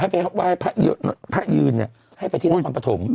ให้ไปไว้พระยืนเนี่ยให้ไปที่นักภรรณ์ประถง